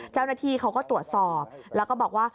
เจ้าหน้าที่เขาก็ตรวจสอบแล้วก็บอกว่า